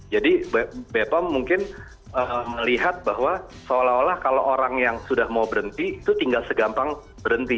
jadi bpom mungkin melihat bahwa seolah olah kalau orang yang sudah mau berhenti itu tinggal segampang berhenti